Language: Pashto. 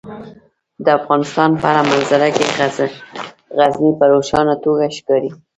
د افغانستان په هره منظره کې غزني په روښانه توګه ښکاري.